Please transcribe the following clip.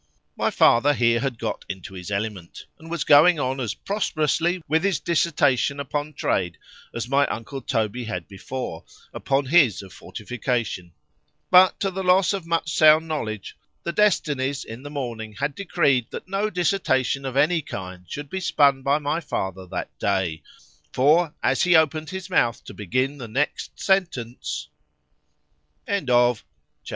My father here had got into his element,—and was going on as prosperously with his dissertation upon trade, as my uncle Toby had before, upon his of fortification;—but to the loss of much sound knowledge, the destinies in the morning had decreed that no dissertation of any kind should be spun by my father that day,——for as he opened his mouth to begin the next sentence, C H A P.